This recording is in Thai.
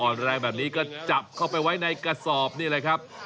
แรงแบบนี้ก็จับเข้าไปไว้ในกระสอบนี่แหละครับ